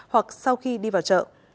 hoặc sau khi đi vào chợ